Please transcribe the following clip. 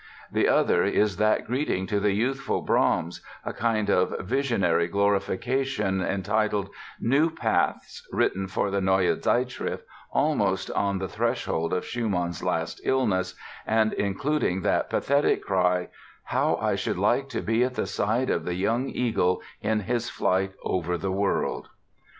The other is that greeting to the youthful Brahms, a kind of visionary glorification entitled "New Paths", written for the Neue Zeitschrift almost on the threshold of Schumann's last illness and including that pathetic cry: "How I should like to be at the side of the young eagle in his flight over the world!"